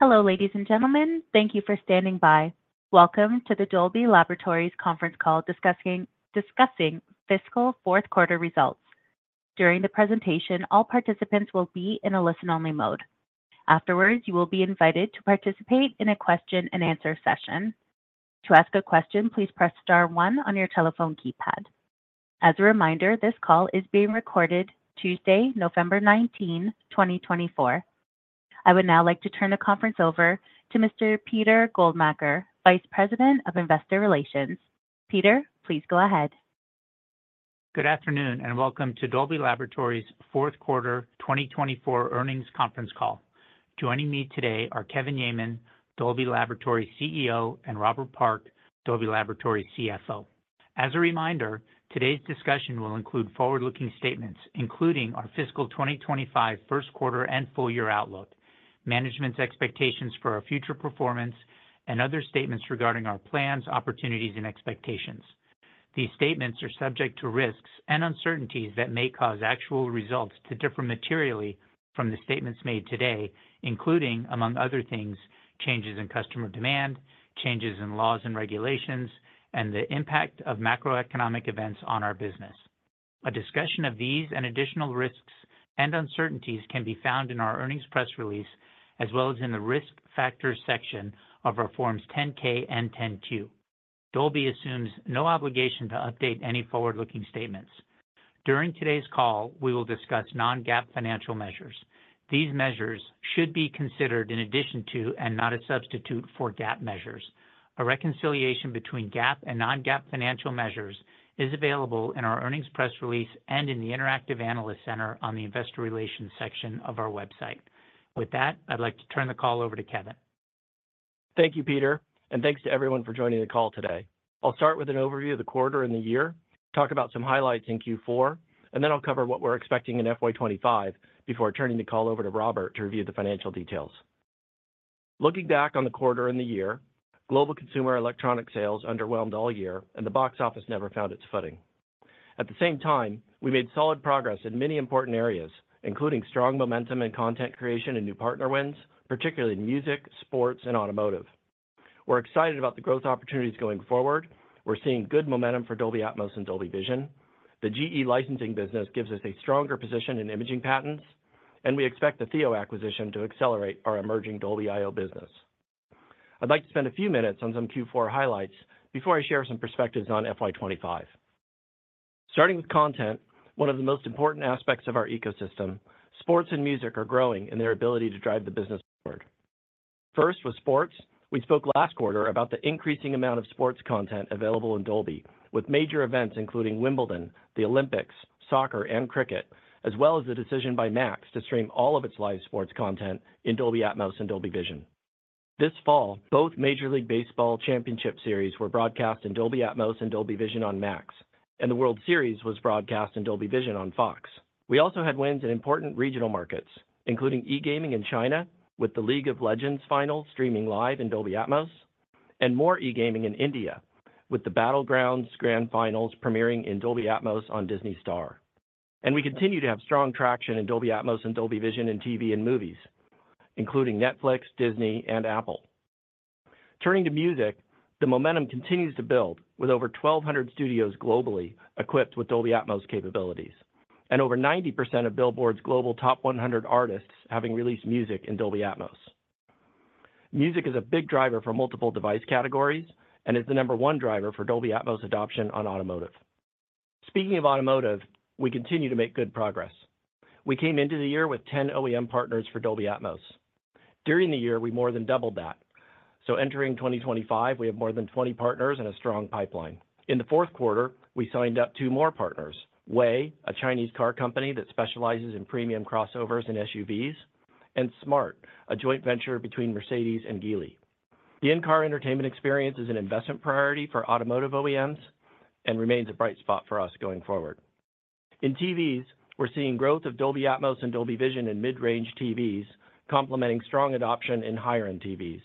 Hello, ladies and gentlemen. Thank you for standing by. Welcome to the Dolby Laboratories conference call discussing fiscal fourth quarter results. During the presentation, all participants will be in a listen-only mode. Afterwards, you will be invited to participate in a question-and-answer session. To ask a question, please press star one on your telephone keypad. As a reminder, this call is being recorded Tuesday, November 19th, 2024. I would now like to turn the conference over to Mr. Peter Goldmacher, Vice President of Investor Relations. Peter, please go ahead. Good afternoon and welcome to Dolby Laboratories fourth quarter 2024 earnings conference call. Joining me today are Kevin Yeaman, Dolby Laboratories CEO, and Robert Park, Dolby Laboratories CFO. As a reminder, today's discussion will include forward-looking statements, including our fiscal 2025 first quarter and full year outlook, management's expectations for our future performance, and other statements regarding our plans, opportunities, and expectations. These statements are subject to risks and uncertainties that may cause actual results to differ materially from the statements made today, including, among other things, changes in customer demand, changes in laws and regulations, and the impact of macroeconomic events on our business. A discussion of these and additional risks and uncertainties can be found in our earnings press release, as well as in the risk factors section of our Forms 10-K and 10-Q. Dolby assumes no obligation to update any forward-looking statements. During today's call, we will discuss non-GAAP financial measures. These measures should be considered in addition to and not a substitute for GAAP measures. A reconciliation between GAAP and non-GAAP financial measures is available in our earnings press release and in the Interactive Analyst Center on the Investor Relations section of our website. With that, I'd like to turn the call over to Kevin. Thank you, Peter, and thanks to everyone for joining the call today. I'll start with an overview of the quarter and the year, talk about some highlights in Q4, and then I'll cover what we're expecting in FY 2025 before turning the call over to Robert to review the financial details. Looking back on the quarter and the year, global consumer electronic sales underwhelmed all year, and the box office never found its footing. At the same time, we made solid progress in many important areas, including strong momentum in content creation and new partner wins, particularly in music, sports, and automotive. We're excited about the growth opportunities going forward. We're seeing good momentum for Dolby Atmos and Dolby Vision. The GE licensing business gives us a stronger position in imaging patents, and we expect the THEO acquisition to accelerate our emerging Dolby.io business. I'd like to spend a few minutes on some Q4 highlights before I share some perspectives on FY 2025. Starting with content, one of the most important aspects of our ecosystem, sports and music are growing in their ability to drive the business forward. First, with sports, we spoke last quarter about the increasing amount of sports content available in Dolby, with major events including Wimbledon, the Olympics, soccer, and cricket, as well as the decision by Max to stream all of its live sports content in Dolby Atmos and Dolby Vision. This fall, both Major League Baseball Championship Series were broadcast in Dolby Atmos and Dolby Vision on Max, and the World Series was broadcast in Dolby Vision on Fox. We also had wins in important regional markets, including eGaming in China with the League of Legends final streaming live in Dolby Atmos, and more eGaming in India with the Battlegrounds Grand Finals premiering in Dolby Atmos on Disney Star. And we continue to have strong traction in Dolby Atmos and Dolby Vision in TV and movies, including Netflix, Disney, and Apple. Turning to music, the momentum continues to build with over 1,200 studios globally equipped with Dolby Atmos capabilities, and over 90% of Billboard's global top 100 artists having released music in Dolby Atmos. Music is a big driver for multiple device categories and is the number one driver for Dolby Atmos adoption on automotive. Speaking of automotive, we continue to make good progress. We came into the year with 10 OEM partners for Dolby Atmos. During the year, we more than doubled that. Entering 2025, we have more than 20 partners and a strong pipeline. In the fourth quarter, we signed up two more partners: WEY, a Chinese car company that specializes in premium crossovers and SUVs, and smart, a joint venture between Mercedes and Geely. The in-car entertainment experience is an investment priority for automotive OEMs and remains a bright spot for us going forward. In TVs, we're seeing growth of Dolby Atmos and Dolby Vision in mid-range TVs, complementing strong adoption in higher-end TVs.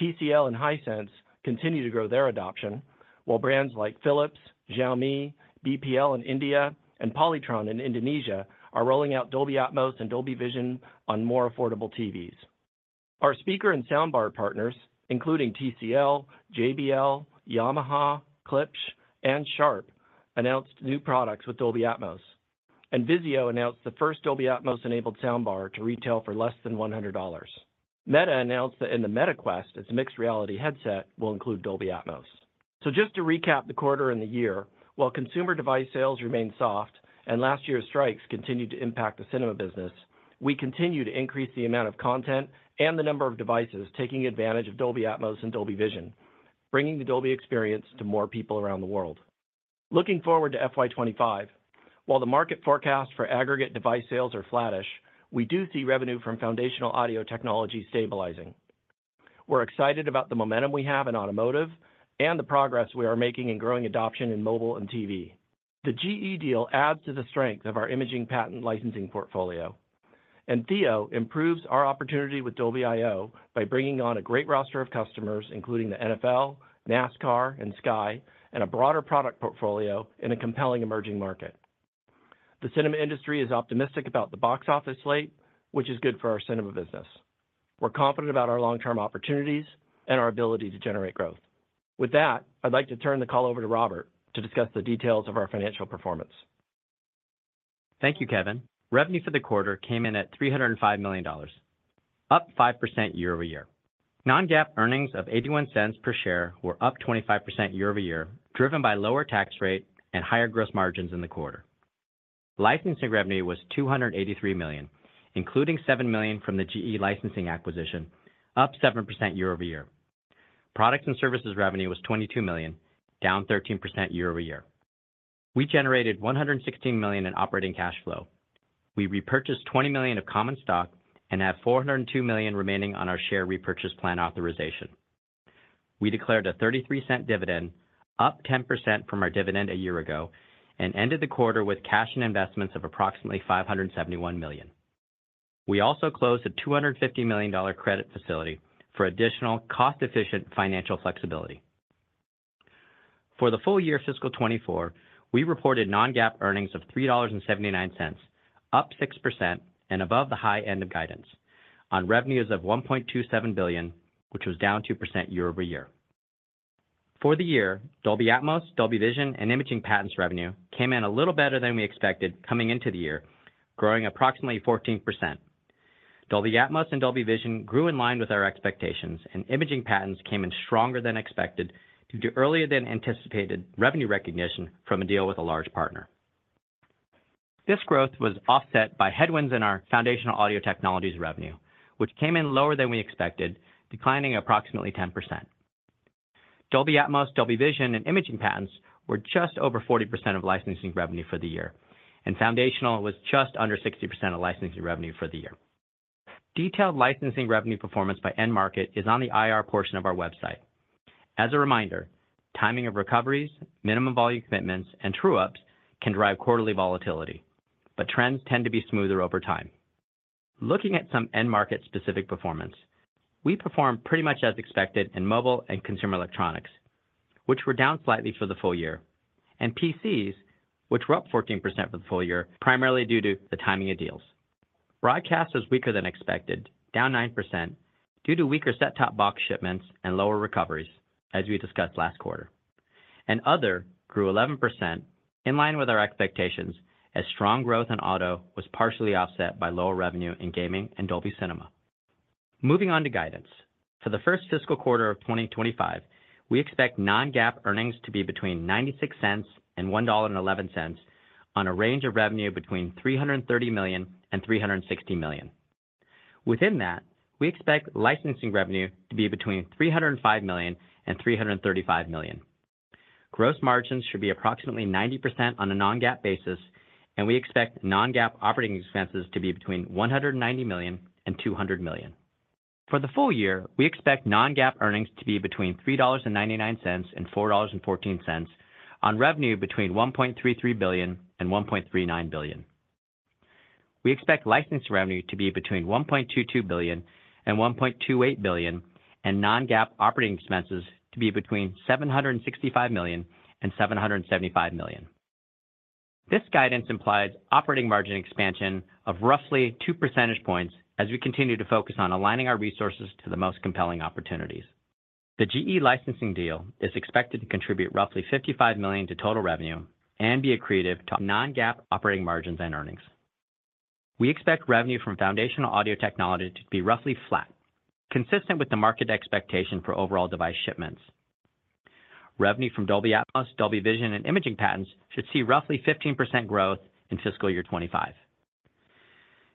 TCL and Hisense continue to grow their adoption, while brands like Philips, Xiaomi, BPL in India, and Polytron in Indonesia are rolling out Dolby Atmos and Dolby Vision on more affordable TVs. Our speaker and soundbar partners, including TCL, JBL, Yamaha, Klipsch, and Sharp, announced new products with Dolby Atmos. Vizio announced the first Dolby Atmos-enabled soundbar to retail for less than $100. Meta announced that in the Meta Quest, its mixed reality headset will include Dolby Atmos, so just to recap the quarter and the year, while consumer device sales remain soft and last year's strikes continue to impact the cinema business, we continue to increase the amount of content and the number of devices taking advantage of Dolby Atmos and Dolby Vision, bringing the Dolby experience to more people around the world. Looking forward to FY 2025, while the market forecast for aggregate device sales are flattish, we do see revenue from Foundational Audio technology stabilizing. We're excited about the momentum we have in automotive and the progress we are making in growing adoption in mobile and TV. The GE deal adds to the strength of our imaging patent licensing portfolio, and THEO improves our opportunity with Dolby.io by bringing on a great roster of customers, including the NFL, NASCAR, and Sky, and a broader product portfolio in a compelling emerging market. The cinema industry is optimistic about the box office slate, which is good for our cinema business. We're confident about our long-term opportunities and our ability to generate growth. With that, I'd like to turn the call over to Robert to discuss the details of our financial performance. Thank you, Kevin. Revenue for the quarter came in at $305 million, up 5% year-over-year. Non-GAAP earnings of $0.81 per share were up 25% year-over-year, driven by lower tax rate and higher gross margins in the quarter. Licensing revenue was $283 million, including $7 million from the GE licensing acquisition, up 7% year-over-year. Products and services revenue was $22 million, down 13% year-over-year. We generated $116 million in operating cash flow. We repurchased $20 million of common stock and have $402 million remaining on our share repurchase plan authorization. We declared a $0.33 dividend, up 10% from our dividend a year ago, and ended the quarter with cash and investments of approximately $571 million. We also closed a $250 million credit facility for additional cost-efficient financial flexibility. For the full year fiscal 2024, we reported non-GAAP earnings of $3.79, up 6% and above the high end of guidance, on revenues of $1.27 billion, which was down 2% year-over-year. For the year, Dolby Atmos, Dolby Vision, and Imaging Patents revenue came in a little better than we expected coming into the year, growing approximately 14%. Dolby Atmos and Dolby Vision grew in line with our expectations, and Imaging Patents came in stronger than expected due to earlier than anticipated revenue recognition from a deal with a large partner. This growth was offset by headwinds in our Foundational Audio technologies revenue, which came in lower than we expected, declining approximately 10%. Dolby Atmos, Dolby Vision, and Imaging Patents were just over 40% of licensing revenue for the year, and foundational was just under 60% of licensing revenue for the year. Detailed licensing revenue performance by end market is on the IR portion of our website. As a reminder, timing of recoveries, minimum volume commitments, and true-ups can drive quarterly volatility, but trends tend to be smoother over time. Looking at some end market-specific performance, we performed pretty much as expected in mobile and consumer electronics, which were down slightly for the full year, and PCs, which were up 14% for the full year, primarily due to the timing of deals. Broadcast was weaker than expected, down 9% due to weaker set-top box shipments and lower recoveries, as we discussed last quarter, and other grew 11% in line with our expectations, as strong growth in auto was partially offset by lower revenue in gaming and Dolby Cinema. Moving on to guidance. For the first fiscal quarter of 2025, we expect non-GAAP earnings to be between $0.96 and $1.11 on a range of revenue between $330 million and $360 million. Within that, we expect licensing revenue to be between $305 million and $335 million. Gross margins should be approximately 90% on a non-GAAP basis, and we expect non-GAAP operating expenses to be between $190 million and $200 million. For the full year, we expect non-GAAP earnings to be between $3.99 and $4.14 on revenue between $1.33 billion and $1.39 billion. We expect licensing revenue to be between $1.22 billion and $1.28 billion, and non-GAAP operating expenses to be between $765 million and $775 million. This guidance implies operating margin expansion of roughly 2 percentage points as we continue to focus on aligning our resources to the most compelling opportunities. The GE licensing deal is expected to contribute roughly $55 million to total revenue and be accretive to non-GAAP operating margins and earnings. We expect revenue from Foundational Audio technology to be roughly flat, consistent with the market expectation for overall device shipments. Revenue from Dolby Atmos, Dolby Vision, and imaging patents should see roughly 15% growth in fiscal year 2025.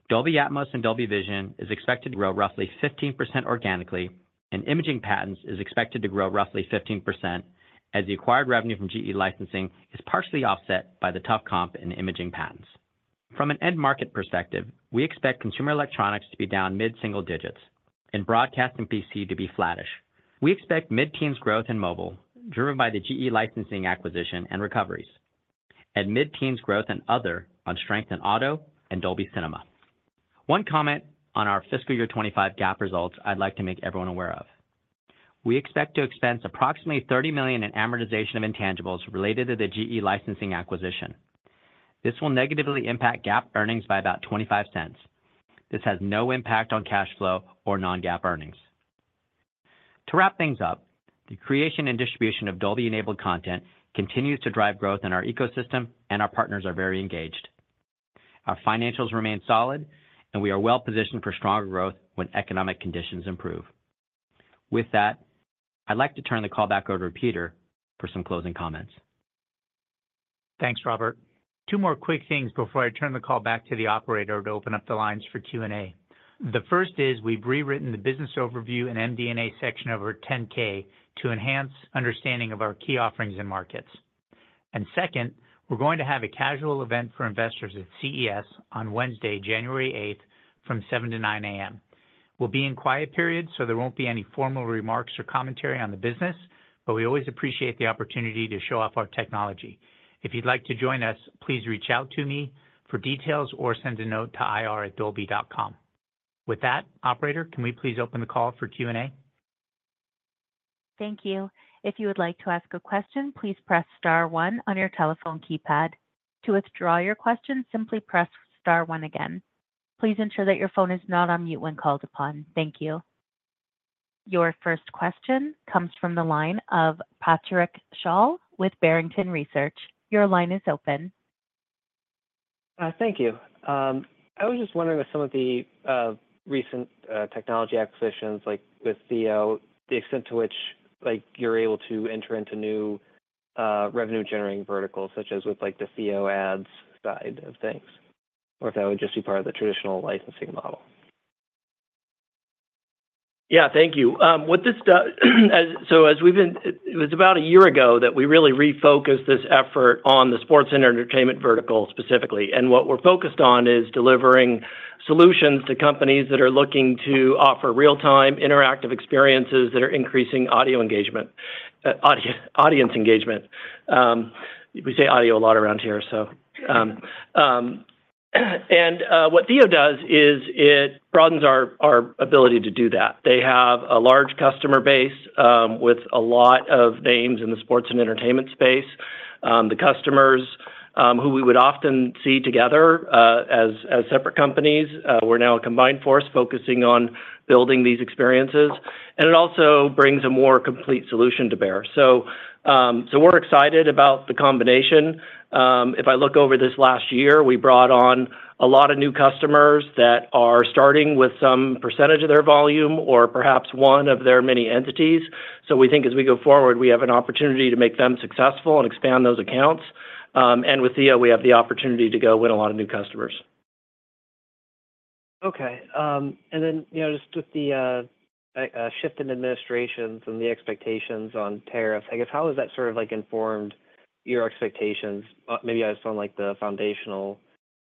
Dolby Atmos and Dolby Vision is expected to grow roughly 15% organically, and imaging patents is expected to grow roughly 15% as the acquired revenue from GE licensing is partially offset by the tough comp in imaging patents. From an end market perspective, we expect consumer electronics to be down mid-single digits and broadcasting and PC to be flattish. We expect mid-teens growth in mobile, driven by the GE licensing acquisition and recoveries, and mid-teens growth in other on strength in auto and Dolby Cinema. One comment on our fiscal year 2025 GAAP results I'd like to make everyone aware of. We expect to expense approximately $30 million in amortization of intangibles related to the GE licensing acquisition. This will negatively impact GAAP earnings by about $0.25. This has no impact on cash flow or non-GAAP earnings. To wrap things up, the creation and distribution of Dolby-enabled content continues to drive growth in our ecosystem, and our partners are very engaged. Our financials remain solid, and we are well-positioned for stronger growth when economic conditions improve. With that, I'd like to turn the call back over to Peter for some closing comments. Thanks, Robert. Two more quick things before I turn the call back to the operator to open up the lines for Q&A. The first is we've rewritten the business overview and MD&A section of our Form 10-K to enhance understanding of our key offerings and markets. And second, we're going to have a casual event for investors at CES on Wednesday, January 8th, from 7:00 A.M. to 9:00 A.M. We'll be in quiet period, so there won't be any formal remarks or commentary on the business, but we always appreciate the opportunity to show off our technology. If you'd like to join us, please reach out to me for details or send a note to ir@dolby.com. With that, operator, can we please open the call for Q&A? Thank you. If you would like to ask a question, please press star one on your telephone keypad. To withdraw your question, simply press star one again. Please ensure that your phone is not on mute when called upon. Thank you. Your first question comes from the line of Patrick Sholl with Barrington Research. Your line is open. Thank you. I was just wondering with some of the recent technology acquisitions, like with THEO, the extent to which you're able to enter into new revenue-generating verticals, such as with the THEOads side of things, or if that would just be part of the traditional licensing model? Yeah, thank you. So it was about a year ago that we really refocused this effort on the sports and entertainment vertical specifically. And what we're focused on is delivering solutions to companies that are looking to offer real-time interactive experiences that are increasing audio engagement. We say audio a lot around here, so. And what THEO does is it broadens our ability to do that. They have a large customer base with a lot of names in the sports and entertainment space. The customers who we would often see together as separate companies were now a combined force focusing on building these experiences. And it also brings a more complete solution to bear. So we're excited about the combination. If I look over this last year, we brought on a lot of new customers that are starting with some percentage of their volume or perhaps one of their many entities. So we think as we go forward, we have an opportunity to make them successful and expand those accounts. And with THEO, we have the opportunity to go win a lot of new customers. Okay, and then just with the shift in administrations and the expectations on tariffs, I guess, how has that sort of informed your expectations? Maybe on the foundational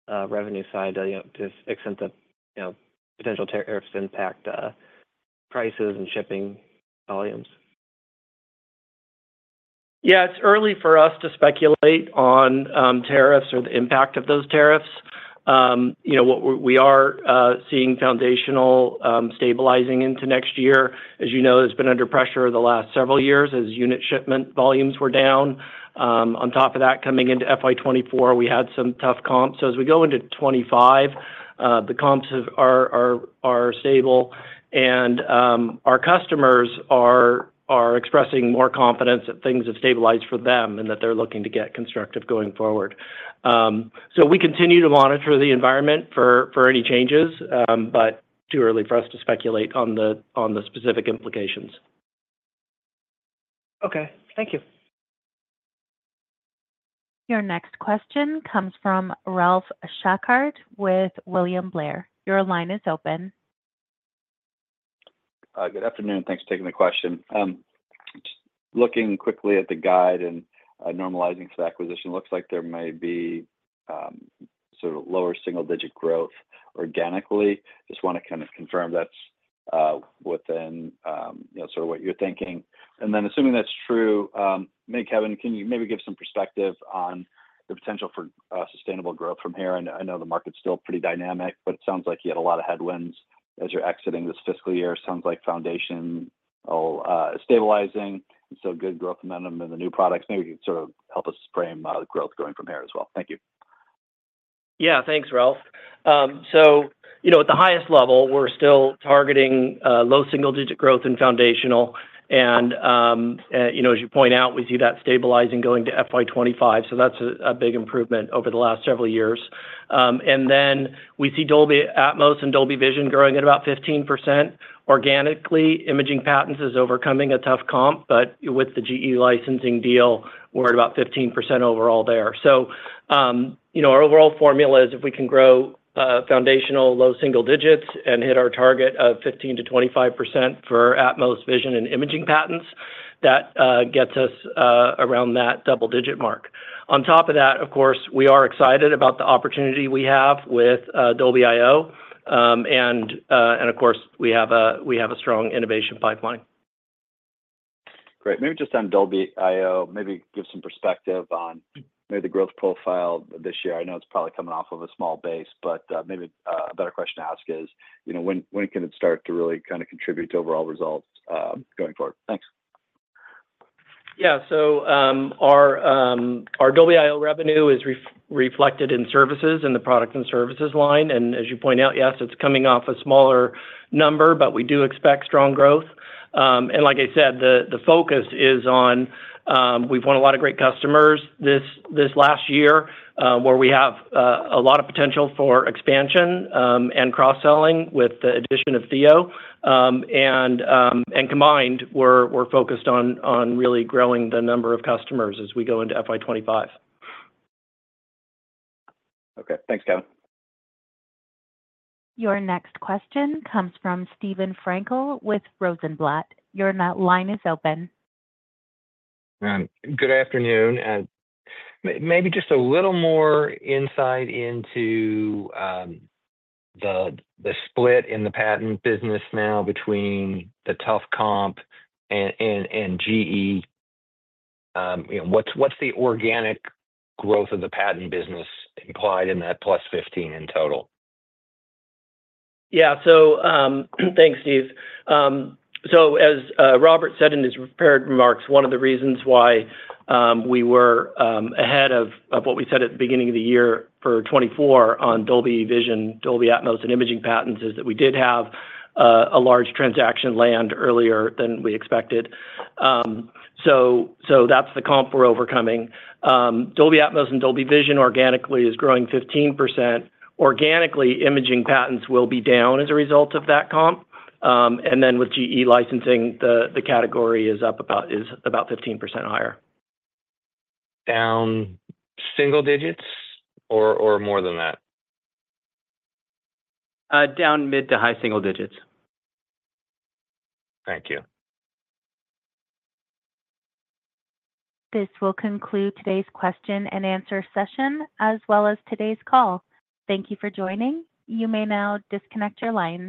revenue side, to the extent that potential tariffs impact prices and shipping volumes. Yeah, it's early for us to speculate on tariffs or the impact of those tariffs. We are seeing foundational stabilizing into next year. As you know, it's been under pressure the last several years as unit shipment volumes were down. On top of that, coming into FY 2024, we had some tough comps. So as we go into 2025, the comps are stable. And our customers are expressing more confidence that things have stabilized for them and that they're looking to get constructive going forward. So we continue to monitor the environment for any changes, but too early for us to speculate on the specific implications. Okay. Thank you. Your next question comes from Ralph Schackart with William Blair. Your line is open. Good afternoon. Thanks for taking the question. Looking quickly at the guide and normalizing for the acquisition, it looks like there may be sort of lower single-digit growth organically. Just want to kind of confirm that's within sort of what you're thinking. And then assuming that's true, Kevin, can you maybe give some perspective on the potential for sustainable growth from here? I know the market's still pretty dynamic, but it sounds like you had a lot of headwinds as you're exiting this fiscal year. It sounds like foundational stabilizing, still good growth momentum in the new products. Maybe you can sort of help us frame growth going from here as well. Thank you. Yeah, thanks, Ralph. So at the highest level, we're still targeting low single-digit growth in foundational. And as you point out, we see that stabilizing going to FY 2025. So that's a big improvement over the last several years. And then we see Dolby Atmos and Dolby Vision growing at about 15% organically. Imaging patents is overcoming a tough comp, but with the GE licensing deal, we're at about 15% overall there. So our overall formula is if we can grow foundational low single digits and hit our target of 15%-25% for Atmos, Vision, and Imaging patents, that gets us around that double-digit mark. On top of that, of course, we are excited about the opportunity we have with Dolby.io. And of course, we have a strong innovation pipeline. Great. Maybe just on Dolby.io, maybe give some perspective on maybe the growth profile this year. I know it's probably coming off of a small base, but maybe a better question to ask is, when can it start to really kind of contribute to overall results going forward? Thanks. Yeah, so our Dolby.io revenue is reflected in services in the product and services line. And as you point out, yes, it's coming off a smaller number, but we do expect strong growth. And like I said, the focus is on we've won a lot of great customers this last year where we have a lot of potential for expansion and cross-selling with the addition of THEO. And combined, we're focused on really growing the number of customers as we go into FY 2025. Okay. Thanks, Kevin. Your next question comes from Steven Frankel with Rosenblatt. Your line is open. Good afternoon. Maybe just a little more insight into the split in the patent business now between the tough comp and GE. What's the organic growth of the patent business implied in that +15% in total? Yeah. So thanks, Steve. So as Robert said in his prepared remarks, one of the reasons why we were ahead of what we said at the beginning of the year for 2024 on Dolby Vision, Dolby Atmos, and Imaging Patents is that we did have a large transaction land earlier than we expected. So that's the comp we're overcoming. Dolby Atmos and Dolby Vision organically is growing 15%. Organically, Imaging Patents will be down as a result of that comp. And then with GE licensing, the category is up about 15% higher. Down single digits or more than that? Down mid- to high-single digits. Thank you. This will conclude today's question and answer session as well as today's call. Thank you for joining. You may now disconnect your lines.